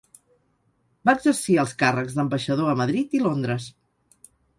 Va exercir els càrrecs d'ambaixador a Madrid i Londres.